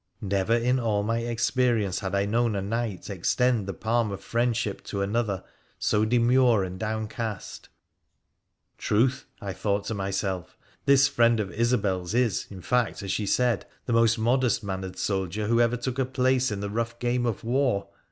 Never in all my experience had I known a knight extend the palm of friendship to another so demure and downcast. ' Truth !' I thought to myself, ' this friend of Isobel's is, in fact, as she said, the most modest mannered soldier who ever took a place in the rough game of war